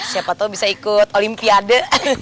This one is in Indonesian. siapa tau bisa ikut olimpiade